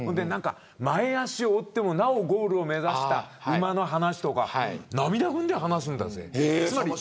前脚を折っても、なおゴールを目指した馬の話とか涙ぐんで話すんだぜ。